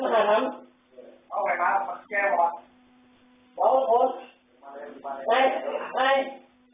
ได้ไหมต้องกลัวต้องกลัวไอ้ใคร